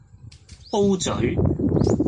O 嘴